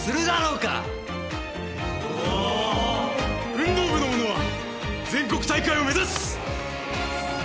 運動部の者は全国大会を目指す！